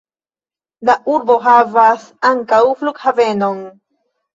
La urbo havas ankaŭ flughavenon.